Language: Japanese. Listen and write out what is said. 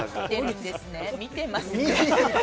見てますね？